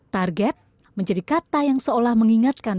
target menjadi kata yang seolah mengingatkan